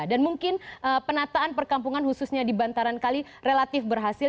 dan mungkin penataan perkampungan khususnya di bantaran kali relatif berhasil